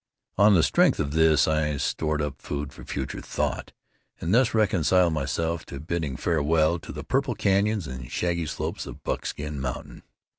On the strength of this I stored up food for future thought and thus reconciled myself to bidding farewell to the purple canyons and shaggy slopes of Buckskin Mountain.